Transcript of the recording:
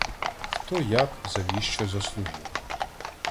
Хто, як, за віщо заслужив.